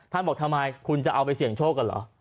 บอกทำไมคุณจะเอาไปเสี่ยงโชคกันเหรอ